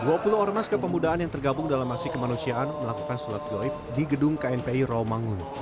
dua puluh orang mas kepemudaan yang tergabung dalam masi kemanusiaan melakukan sulat goib di gedung knpi romangun